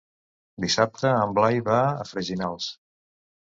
Dissabte en Blai va a Freginals.